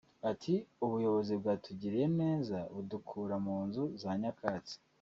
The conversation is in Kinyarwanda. Ati “Ubuyobozi bwatugiriye neza budukura mu nzu za nyakatsi